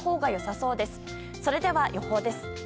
それでは、予報です。